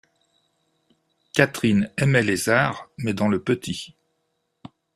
Catherine aimait les arts, mais dans le petit.